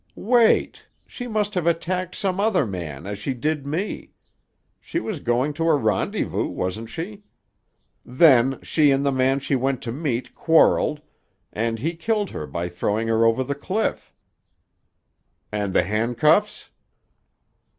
"Wait! She must have attacked some other man, as she did me. She was going to a rendezvous, wasn't she? Then she and the man she went to meet quarreled, and he killed her by throwing her over the cliff." "And the handcuffs?"